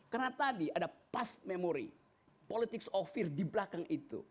karena tadi ada past memory politics of fear di belakang itu